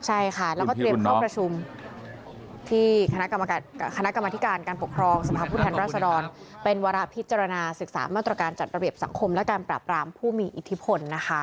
ใช่ค่ะแล้วก็เตรียมเข้าประชุมที่คณะกรรมธิการการปกครองสภาพผู้แทนรัศดรเป็นวาระพิจารณาศึกษามาตรการจัดระเบียบสังคมและการปราบรามผู้มีอิทธิพลนะคะ